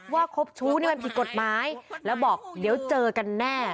คบชู้นี่มันผิดกฎหมายแล้วบอกเดี๋ยวเจอกันแน่